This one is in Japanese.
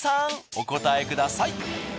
お答えください。